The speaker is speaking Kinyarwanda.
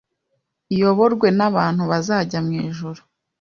iyoborwe n’abantu bazajya mu ijuru